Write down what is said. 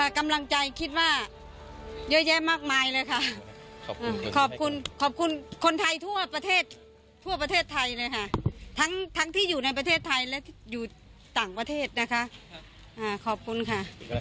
กำลังใจคิดว่าเยอะแยะมากมายเลยค่ะขอบคุณขอบคุณคนไทยทั่วประเทศทั่วประเทศไทยเลยค่ะทั้งที่อยู่ในประเทศไทยและอยู่ต่างประเทศนะคะขอบคุณค่ะ